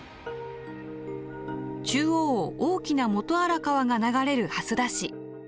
中央を大きな元荒川が流れる蓮田市。